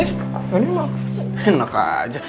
jadi emang enak aja